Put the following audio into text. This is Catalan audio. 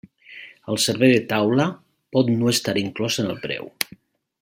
El servei de taula pot no estar inclòs en el preu.